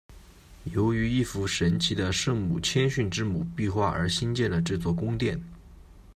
由于一幅神奇的圣母谦逊之母壁画而兴建了这座圣殿。